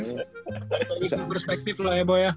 itu perspektif lah ya boya